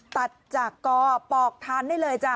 ตัดจากกอปอกทานได้เลยจ้ะ